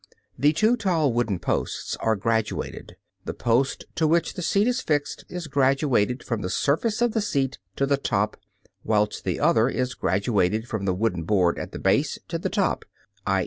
The two tall wooden posts are graduated. The post to which the seat is fixed is graduated from the surface of the seat to the top, whilst the other is graduated from the wooden board at the base to the top, _i.